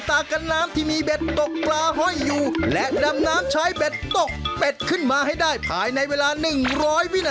ไปนั่งที่ก่อนไปนั่งเชี่ยเมียตรงคุณ